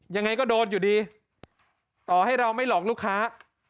ยังไงก็โดนอยู่ดีต่อให้เราไม่หลอกลูกค้า